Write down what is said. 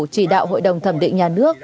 chỉ đạo hội đồng thẩm định nhà nước